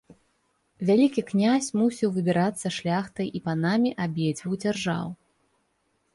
Вялікі князь мусіў выбірацца шляхтай і панамі абедзвюх дзяржаў.